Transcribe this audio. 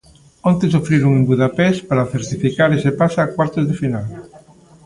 Onte sufriron en Budapest para certificar ese pase a cuartos de final.